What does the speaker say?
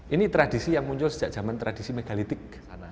ini tradisi yang muncul sejak zaman tradisi megalitik